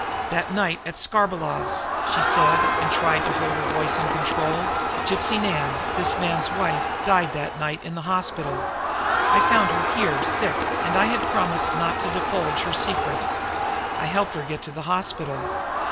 "That night at Skarbolov's!" she said, and tried to hold her voice in control. "Gypsy Nan, this man's wife, died that night in the hospital. I had found her here sick, and I had promised not to divulge her secret. I helped her get to the hospital.